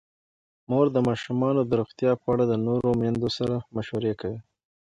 مور د ماشومانو د روغتیا په اړه د نورو میندو سره مشوره کوي.